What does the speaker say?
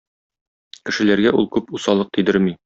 Кешеләргә ул күп усаллык тидерми.